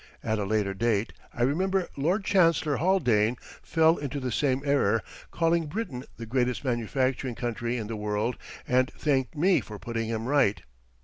[At a later date I remember Lord Chancellor Haldane fell into the same error, calling Britain the greatest manufacturing country in the world, and thanked me for putting him right.